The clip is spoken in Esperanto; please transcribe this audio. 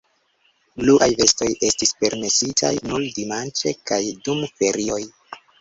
Bluaj vestoj estis permesitaj nur dimanĉe kaj dum ferioj.